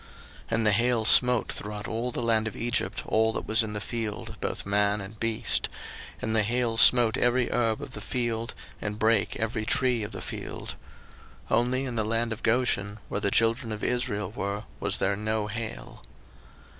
02:009:025 And the hail smote throughout all the land of Egypt all that was in the field, both man and beast; and the hail smote every herb of the field, and brake every tree of the field. 02:009:026 Only in the land of Goshen, where the children of Israel were, was there no hail.